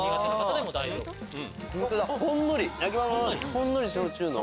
ほんのり焼酎の。